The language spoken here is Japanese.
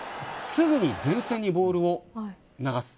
すぐに前線にボールを流す。